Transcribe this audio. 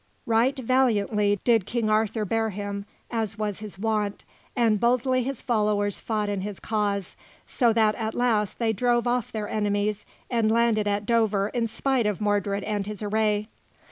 Right valiantly did King Arthur bear him, as was his wont, and boldly his followers fought in his cause, so that at last they drove off their enemies and landed at Dover in spite of Mordred and his array.